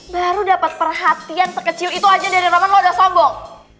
baru dapat perhatian sekecil itu aja dari roman lo udah sombong